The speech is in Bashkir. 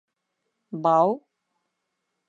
Бау?